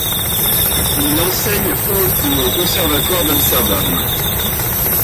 Il enseigne au et au Conservatoire d'Amsterdam.